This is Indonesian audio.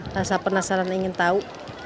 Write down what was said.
rasa penasaran ingin tahu